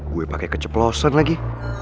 gue pake keceplosen lagi